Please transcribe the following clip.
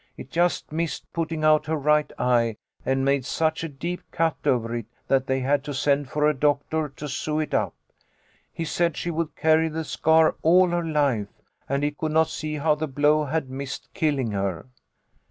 It just missed putting out her right eye, and made such a deep cut over it that they had to send for a doctor to sew it up. He said she would carry the scar all her life, and he could not see how the blow had missed killing her.